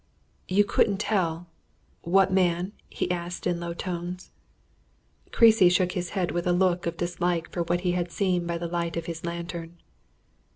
"You couldn't tell what man?" he asked, in low tones. Creasy shook his head with a look of dislike for what he had seen by the light of his lantern.